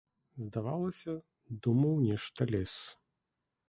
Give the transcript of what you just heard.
Здавалася, думаў нешта лес.